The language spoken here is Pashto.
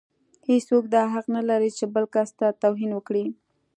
هيڅوک دا حق نه لري چې بل کس ته توهين وکړي.